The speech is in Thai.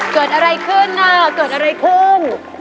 เกิดอะไรขึ้นน่ะเกิดอะไรขึ้น